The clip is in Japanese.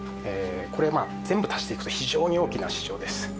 これを全部足していくと非常に大きな市場です。